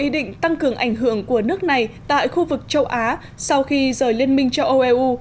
định tăng cường ảnh hưởng của nước này tại khu vực châu á sau khi rời liên minh cho oeu